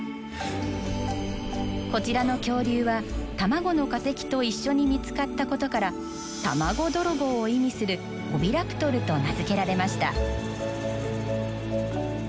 こちらの恐竜は卵の化石と一緒に見つかったことから卵泥棒を意味するオビラプトルと名付けられました。